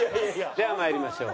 ではまいりましょう。